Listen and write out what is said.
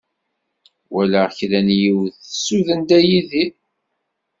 Walaɣ kra n yiwet tsuden Dda Yidir.